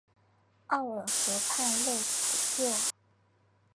奥尔河畔勒普若。